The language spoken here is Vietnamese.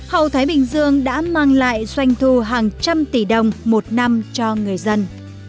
hầu thái bình dương đã mang lại doanh thu hàng trăm tỷ đồng một năm cho người dân